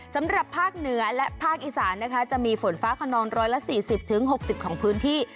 สำหรับภาคเหนือและภาคอีสานนะคะจะมีฝนฟ้าขนอง๑๔๐๖๐ของพื้นที่